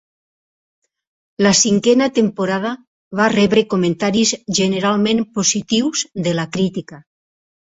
La cinquena temporada va rebre comentaris generalment positius de la crítica.